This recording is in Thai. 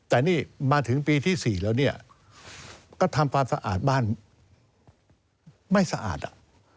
แต่นี่มาถึงปีที่๔แล้วเนี่ยก็ทำความสะอาดบ้านไม่สะอาดอ่ะ